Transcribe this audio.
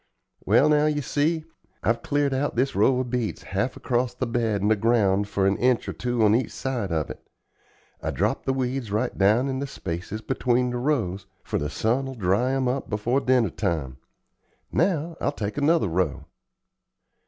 Well, now, you see, I've cleared out this row of beets half across the bed and the ground for an inch or two on each side of it. I drop the weeds right down in the spaces between the rows, for the sun will dry 'em up before dinner time. Now I'll take another row."